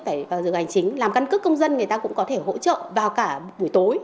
phải vào giờ hành chính làm căn cước công dân người ta cũng có thể hỗ trợ vào cả buổi tối